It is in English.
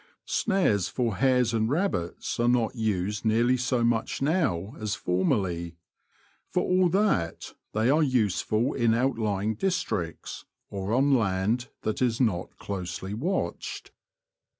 Snares for hares and rabbits are not used nearly so much now as formerly. For all that, they are useful in outlying districts, or on land that is not closely watched.